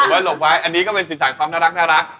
หลบไว้อันนี้ก็เป็นสีสันความน่ารัก